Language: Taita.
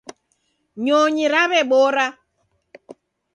Nyonyi raw'ebora.